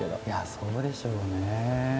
いやそうでしょうね。